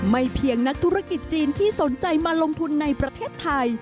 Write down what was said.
เพียงนักธุรกิจจีนที่สนใจมาลงทุนในประเทศไทย